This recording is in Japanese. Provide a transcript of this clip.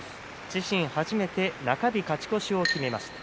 自身初めて中日勝ち越しを決めました。